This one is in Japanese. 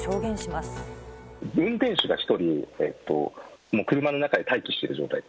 運転手が１人、車の中で待機している状態。